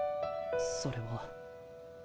それは。